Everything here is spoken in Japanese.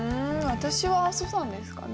私は阿蘇山ですかね。